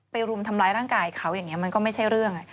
รุมทำร้ายร่างกายเขาอย่างนี้มันก็ไม่ใช่เรื่อง